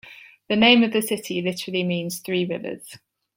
The name of the city literally means "Three Rivers".